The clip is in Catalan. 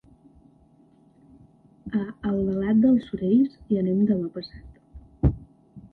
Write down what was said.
A Albalat dels Sorells hi anem demà passat.